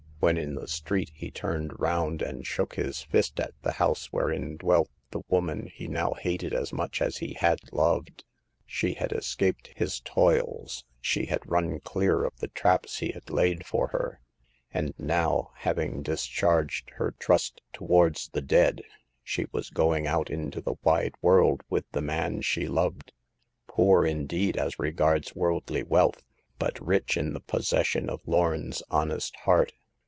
When in the street, he turned round and shook his fist at the house wherein dwelt the woman he now hated as much as he had loved. She had escaped his toils, she had run clear of the traps he had laid for her ; and now, having dis charged her trust towards the dead, she was going out into the wide world with the man she loved ; poor indeed as regards worldly wealth, but rich in the possession of Lorn's honest heart.